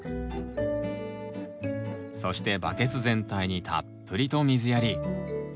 そしてバケツ全体にたっぷりと水やり！